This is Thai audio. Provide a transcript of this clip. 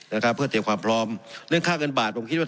นะครับเพื่อเตรียมความพร้อมเรื่องค่าเงินบาทผมคิดว่า